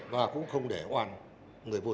và cũng không để oan người vô tội